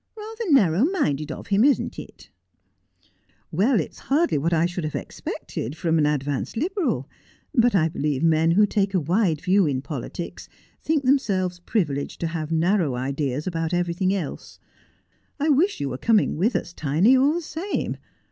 Rather narrow minded of him, isn't it ?'' Well, it's hardly what I should have expected from an ad vanced Liberal ; but I believe men who take a wide view in politics think themselves privileged to have narrow ideas about everything else. I wish you were coming with us, Tiny, all the same.